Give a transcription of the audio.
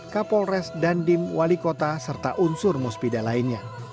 kapolres dandim wali kota serta unsur musbida lainnya